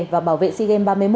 và bảo vệ si game ba mươi một